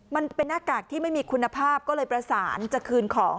มันเป็นหน้ากากที่ไม่มีคุณภาพก็เลยประสานจะคืนของ